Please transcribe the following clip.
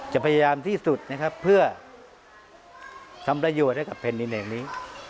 จะพยายามที่สุดนะครับเพื่อทำประโยชน์ให้กับแผ่นดินแห่งนี้